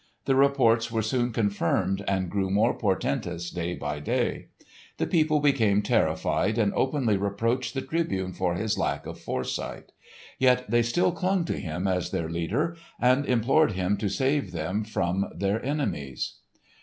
The reports were soon confirmed and grew more portentous day by day The people became terrified and openly reproached the Tribune for his lack of foresight. Yet they still clung to him as their leader, and implored him to save them from their enemies.